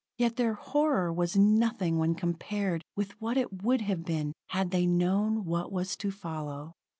Yet their horror was nothing when compared with what it would have been, had they known what was to follow.